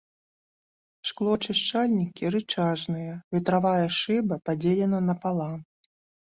Шклоачышчальнікі рычажныя, ветравая шыба падзелена напалам.